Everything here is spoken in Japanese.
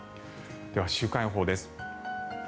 では、週間予報です。